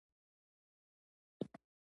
یو طرف هم د جګړې د بري ادعا نه شي کولی.